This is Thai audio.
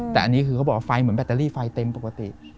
แต่อันนี้คือเขาบอกว่าไฟเหมือนแบตเตอรี่ไฟเต็มปกติ